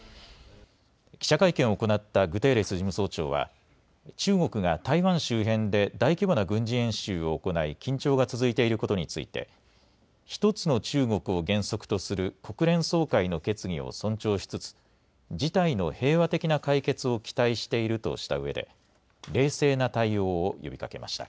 記者会見を行ったグテーレス事務総長は、中国が台湾周辺で大規模な軍事演習を行い緊張が続いていることについて、ひとつの中国を原則とする国連総会の決議を尊重しつつ、事態の平和的な解決を期待しているとしたうえで、冷静な対応を呼びかけました。